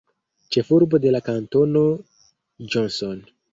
Ĉefurbo de la kantono Johnson.